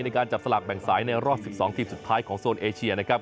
ในการจับสลากแบ่งสายในรอบ๑๒ทีมสุดท้ายของโซนเอเชียนะครับ